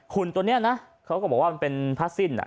หุ่นตัวเนี่ยนะเขาก็บอกว่ามันเป็นผ้าสิ้นอ่ะ